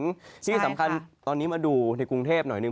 ที่สำคัญตอนนี้มาดูในกรุงเทพหน่อยหนึ่ง